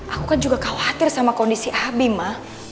aku kan juga khawatir sama kondisi habima